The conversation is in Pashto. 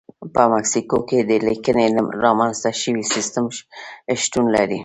په مکسیکو کې د لیکنې رامنځته شوی سیستم شتون لري.